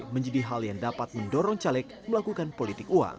menjadi hal yang dapat mendorong caleg melakukan politik uang